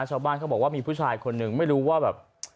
ชาวบ้านเขาบอกว่ามีผู้ชายคนหนึ่งไม่รู้ว่าแบบ